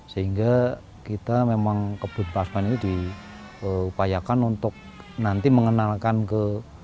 sehingga kita memang kebun plasma ini diupayakan untuk nanti mengenalkan ke